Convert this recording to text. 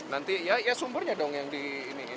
nanti ya sumbernya dong yang di iniin